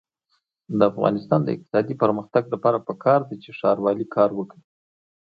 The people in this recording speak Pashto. د افغانستان د اقتصادي پرمختګ لپاره پکار ده چې ښاروالي کار وکړي.